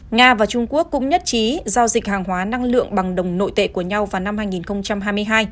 nga và trung quốc cũng nhất trí giao dịch hàng hóa năng lượng bằng đồng nội tệ của nhau vào năm hai nghìn hai mươi hai